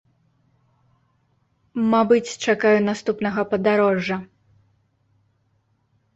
Мабыць, чакаю наступнага падарожжа.